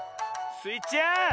スイちゃん！